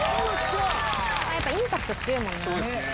インパクト強いもんね。